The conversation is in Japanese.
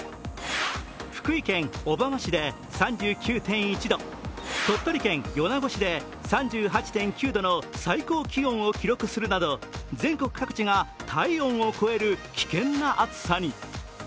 福井県小浜市で３９．１度、鳥取県米子市で３８．９度の最高気温を記録するなど、全国各地が体温を超える危険な暑さに。